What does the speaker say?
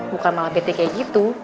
bukan malah betik kayak gitu